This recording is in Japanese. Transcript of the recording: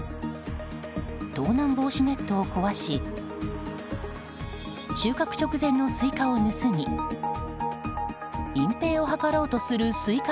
盗難防止ネットを壊し収穫直前のスイカを盗み隠ぺいを図ろうとするスイカ